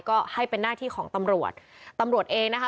ก็ให้เป็นหน้าที่ของตำรวจตำรวจเองนะคะ